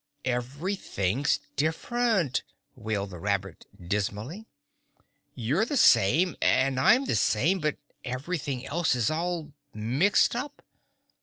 "Everything's different!" wailed the rabbit dismally. "You're the same and I'm the same but everything else is all mixed up.